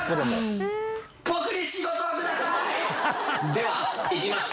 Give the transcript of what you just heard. ではいきます。